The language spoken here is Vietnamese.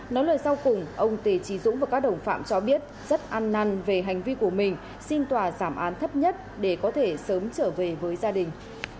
nói lời sau cùng ông tề trí dũng và các đồng phạm cho biết rất ăn năn về hành vi của mình xin tòa giảm án thấp nhất để có thể sớm trở về với gia đình